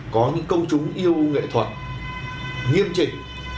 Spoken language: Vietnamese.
có những công chúng yêu nghệ thuật nghiêm trình